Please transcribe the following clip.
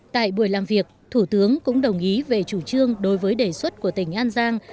tại buổi làm việc thủ tướng cũng đồng ý về chủ trương đối với đề xuất của tỉnh an giang